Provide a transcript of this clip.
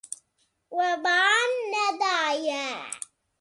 We ba nedaye.